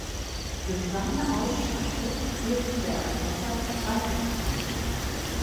Durch seine Aussage wird der Erpresser freigesprochen.